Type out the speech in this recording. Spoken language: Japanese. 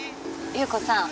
侑子さん。